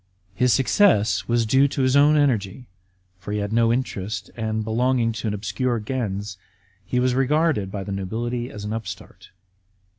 His success was due to his own energy, for he had no interest, and, belonging to an obscure gens, he was regarded by the nobility as an upstart.